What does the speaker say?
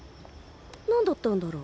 何だったんだろう？